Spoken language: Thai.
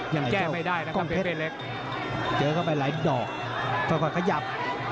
ยังไหลเจ้ากล้องเพชรเจอเข้าไปหลายดอกค่อยขยับ